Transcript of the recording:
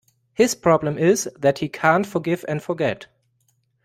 His problem is that he can't forgive and forget